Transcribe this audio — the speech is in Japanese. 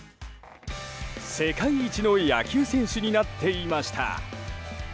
世界一の野球選手になっていました。